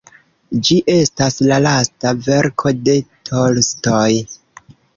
Ĝi estas la lasta verko de Tolstoj.